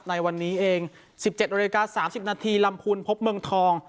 ในวันนี้เองสิบเจ็ดโอกาสสามสิบนาทีลำคุณพบเมืองทอง